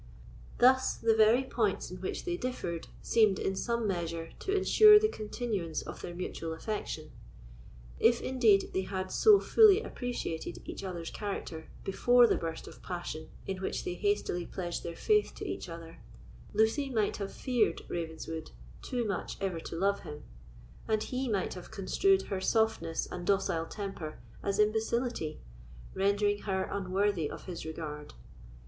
Thus the very points in which they differed seemed, in some measure, to ensure the continuance of their mutual affection. If, indeed, they had so fully appreciated each other's character before the burst of passion in which they hastily pledged their faith to each other, Lucy might have feared Ravenswood too much ever to have loved him, and he might have construed her softness and docile temper as imbecility, rendering her unworthy of his regard.